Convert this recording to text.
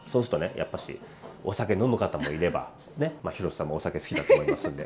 やっぱしお酒飲む方もいれば廣瀬さんもお酒好きだと思いますので。